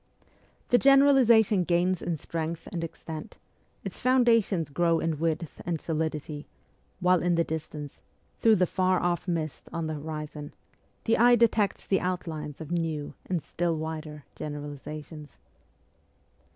The generalization gains in strength and extent ; its foundations grow in width and solidity ; while in the distance, through the far off mist on the horizon, the eye detects the outlines of new and still wider generalizations.